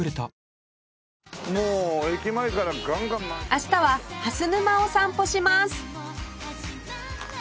明日は蓮沼を散歩します